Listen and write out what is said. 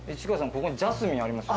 ここにジャスミンありますよ。